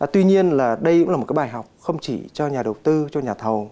tuy nhiên là đây cũng là một cái bài học không chỉ cho nhà đầu tư cho nhà thầu